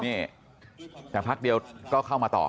นี่แต่พักเดียวก็เข้ามาต่อ